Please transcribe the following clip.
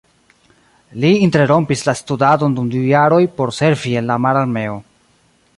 Li interrompis la studadon dum du jaroj por servi en la mararmeo.